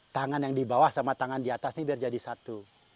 tangan yang di bawah sama tangan di atas ini biar jadi satu